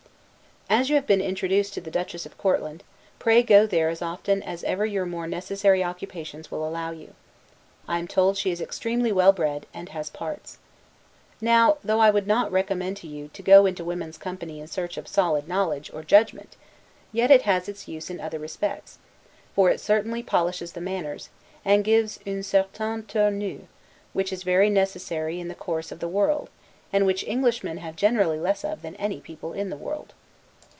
As you have been introduced to the Duchess of Courland, pray go there as often as ever your more necessary occupations will allow you. I am told she is extremely well bred, and has parts. Now, though I would not recommend to you, to go into women's company in search of solid knowledge, or judgment, yet it has its use in other respects; for it certainly polishes the manners, and gives 'une certaine tournure', which is very necessary in the course of the world; and which Englishmen have generally less of than any people in the world.